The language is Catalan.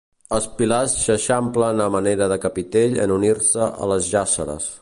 Els pilars s'eixamplen a manera de capitell en unir-se a les jàsseres.